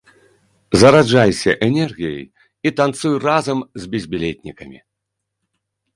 Зараджайся энергіяй і танцуй разам з безбілетнікамі!